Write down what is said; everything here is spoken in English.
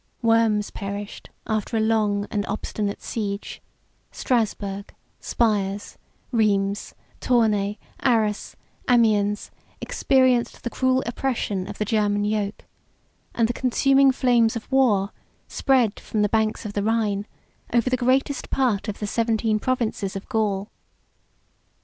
Worms perished after a long and obstinate siege; Strasburgh, Spires, Rheims, Tournay, Arras, Amiens, experienced the cruel oppression of the German yoke; and the consuming flames of war spread from the banks of the Rhine over the greatest part of the seventeen provinces of Gaul.